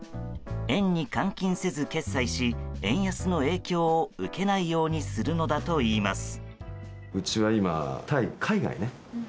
円に換金せず決済し円安の影響を受けないようにするのだといいます。